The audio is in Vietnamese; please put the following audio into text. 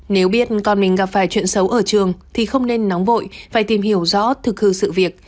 nếu biết con mình gặp phải chuyện xấu ở trường thì không nên nóng vội phải tìm hiểu rõ thực hư sự việc